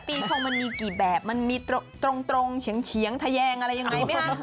ปีชงมันมีกี่แบบมันมีตรงเฉียงทะแยงอะไรยังไงไหมคะ